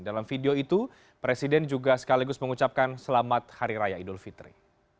dalam video itu presiden juga sekaligus mengucapkan selamat hari raya idul fitri